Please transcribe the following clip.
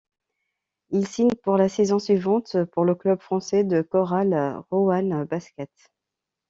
Il signe pour la saison suivante pour le club français de Chorale Roanne Basket.